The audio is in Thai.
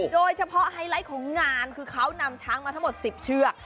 ไฮไลท์ของงานคือเขานำช้างมาทั้งหมด๑๐เชือก